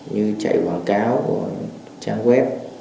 như chạy quảng cáo trang web